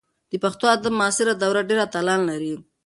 د پښتو ادب معاصره دوره ډېر اتلان لري.